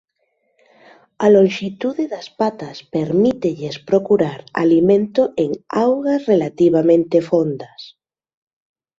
A lonxitude das patas permítelles procurar alimento en augas relativamente fondas.